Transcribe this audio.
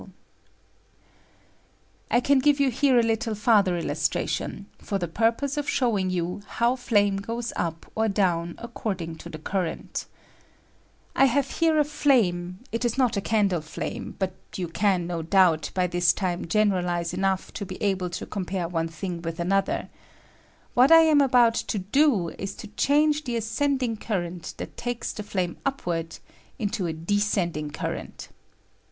r ASCENT OF FLAME. I can give you here a little ferther illustra tion, for the purpoae of showing you how flame goes up or down according to the current I have here a flame — it is not a candle flame — but you can, no doubt, by this time generalize enough to be able to compare one thing with another : what I am about to do is to change the ascending current that takes the flame upward into a descending current.